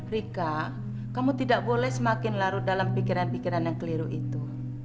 rika kamu tidak boleh semakin larut dalam pikiran pikiran yang keliru itu